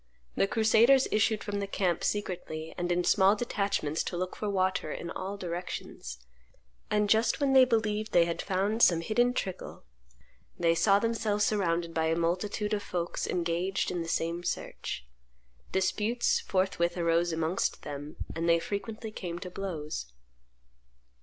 The crusaders issued from the camp secretly and in small detachments to look for water in all directions; and just when they believed they had found some hidden trickier, they saw themselves surrounded by a multitude of folks engaged in the same search; disputes forthwith arose amongst them, and they frequently came to blows.